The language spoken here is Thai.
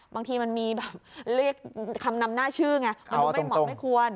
บางทีมันมีคำนำหน้าชื่อไงมันไม่เหมาะไม่ควร